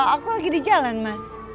aku lagi di jalan mas